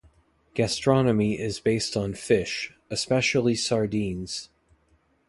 Gastronomy is based on fish, especially sardines.